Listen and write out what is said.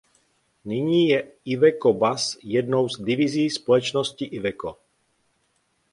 Nyní je Iveco Bus jednou z divizí společnosti Iveco.